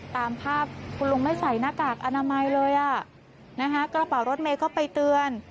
ตามภาพคุณลุงไม่ใส่หน้ากากอนามัยเลยอ่ะนะคะกระเป๋ารถเมย์ก็ไปเตือน